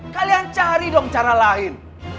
kalian cari dong cara lain